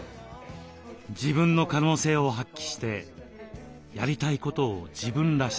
自分の可能性を発揮してやりたいことを自分らしく。